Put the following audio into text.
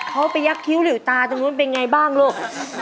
เขาไปยักษิ้วหรือตาตรงนู้นเป็นไงบ้างลูก